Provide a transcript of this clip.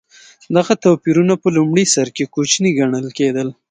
دغه توپیرونه په لومړي سر کې کوچني ګڼل کېدل.